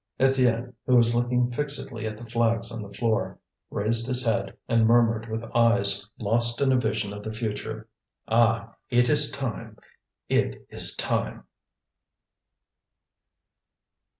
Étienne, who was looking fixedly at the flags on the floor, raised his head, and murmured with eyes lost in a vision of the future: "Ah! it is time! it is time!"